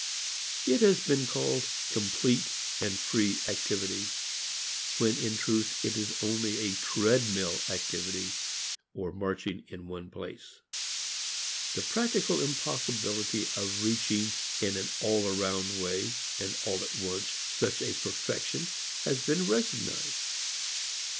It has been called complete and free activity when in truth it is only a treadmill activity or marching in one place. The practical impossibility of reaching, in an all around way and all at once such a "perfection" has been recognized.